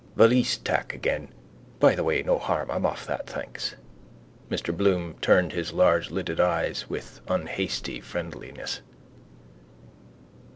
Valise tack again. By the way no harm. I'm off that, thanks. Mr Bloom turned his largelidded eyes with unhasty friendliness.